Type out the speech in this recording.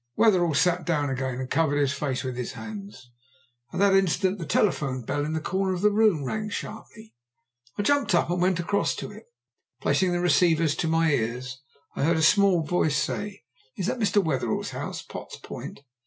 Wetherell sat down again and covered his face with his hands. At that instant the telephone bell in the corner of the room rang sharply. I jumped up and went across to it. Placing the receivers to my ears, I heard a small voice say, "Is that Mr. Wetherell's house, Potts Point?"